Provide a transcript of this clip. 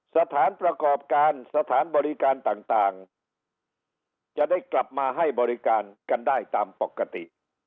สถานประกอบการสถานบริการต่างจะได้กลับมาให้บริการกันได้ตามปกติ